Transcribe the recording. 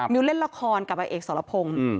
เล่นละครกับอาเอกสรพงศ์